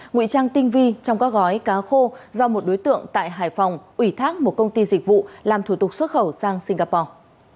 nguy trang tinh vi trong các gói cá khô do một đối tượng tại hải phòng ủy thác một công ty dịch vụ làm thủ tục xuất khẩu sang singapore